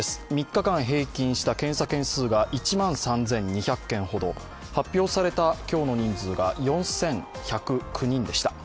３日間平均した検査件数が１万３２００件ほど発表された今日の人数が４１０９人でした。